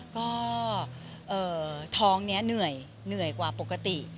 ก็ท้องนี้เหนื่อยกว่าปกติ